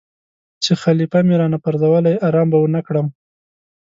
چې خلیفه مې را نه پرزولی آرام به ونه کړم.